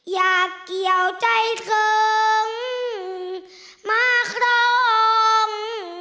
อยากเกี่ยวใจถึงมาครอง